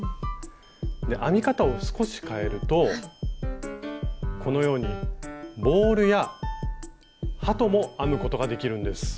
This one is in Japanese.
編み方を少し変えるとこのようにボールや鳩も編むことができるんです。